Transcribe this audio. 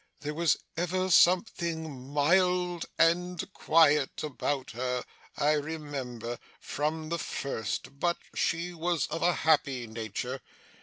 'There was ever something mild and quiet about her, I remember, from the first; but she was of a happy nature.